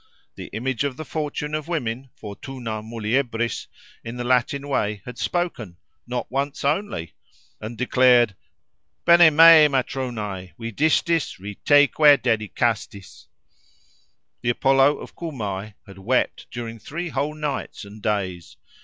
The image of the Fortune of Women—Fortuna Muliebris, in the Latin Way, had spoken (not once only) and declared; Bene me, Matronae! vidistis riteque dedicastis! The Apollo of Cumae had wept during three whole nights and days.